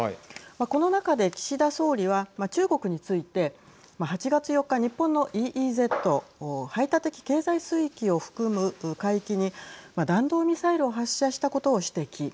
この中で岸田総理は中国について８月４日日本のＥＥＺ＝排他的経済水域を含む海域に弾道ミサイルを発射したことを指摘。